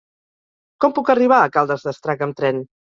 Com puc arribar a Caldes d'Estrac amb tren?